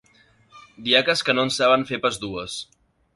Diaques que no en saben fer pas dues.